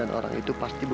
ngejeng di depan de cp